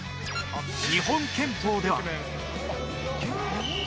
日本拳法では。